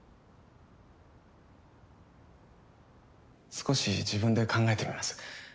少し自分で考えてみます。